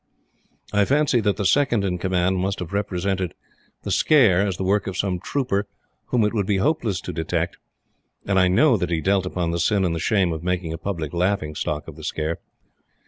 I fancy that the Second in Command must have represented the scare as the work of some trooper whom it would be hopeless to detect; and I know that he dwelt upon the sin and the shame of making a public laughingstock of the scare.